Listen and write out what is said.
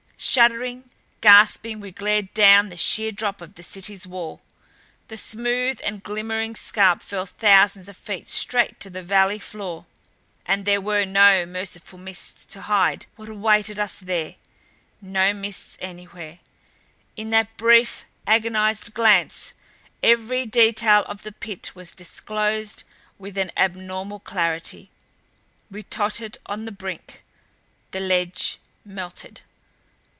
Shuddering, gasping, we glared down the sheer drop of the City's wall. The smooth and glimmering scarp fell thousands of feet straight to the valley floor. And there were no merciful mists to hide what awaited us there; no mists anywhere. In that brief, agonized glance every detail of the Pit was disclosed with an abnormal clarity. We tottered on the brink. The ledge melted.